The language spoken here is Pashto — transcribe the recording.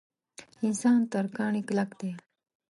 انسان تر کاڼي کلک دی.